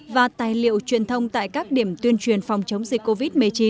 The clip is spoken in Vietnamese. và tài liệu truyền thông tại các điểm tuyên truyền phòng chống dịch covid một mươi chín